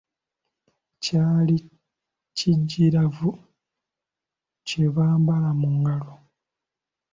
Kyali kigiraavu kye bambala mu ngalo.